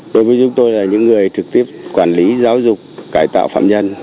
đối với chúng tôi là những người trực tiếp quản lý giáo dục cải tạo phạm nhân